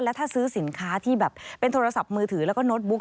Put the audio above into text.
แล้วถ้าซื้อสินค้าที่แบบเป็นโทรศัพท์มือถือแล้วก็โน้ตบุ๊ก